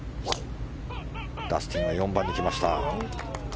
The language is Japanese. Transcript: ダスティンは４番に来ました。